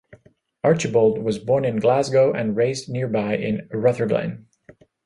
Archibald was born in Glasgow and raised nearby in Rutherglen.